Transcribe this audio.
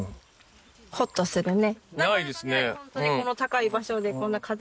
ホッとするね。